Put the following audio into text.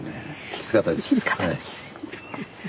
きつかったですはい。